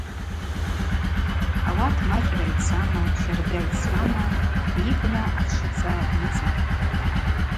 Ауат мачӏра йцама, щардара йцама – Нибна ачвыцӏа йыцӏалтӏ.